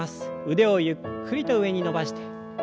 腕をゆっくりと上に伸ばして。